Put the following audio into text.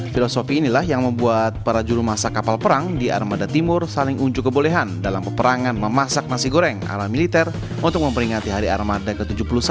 filosofi inilah yang membuat para juru masak kapal perang di armada timur saling unjuk kebolehan dalam peperangan memasak nasi goreng ala militer untuk memperingati hari armada ke tujuh puluh satu